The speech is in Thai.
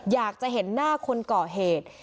อยากจะเห็นหน้าคนก่อเหตุ